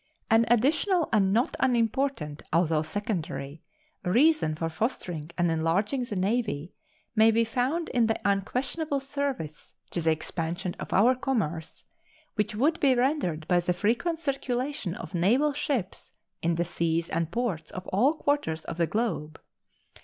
An additional and not unimportant, although secondary, reason for fostering and enlarging the Navy may be found in the unquestionable service to the expansion of our commerce which would be rendered by the frequent circulation of naval ships in the seas and ports of all quarters of the globe.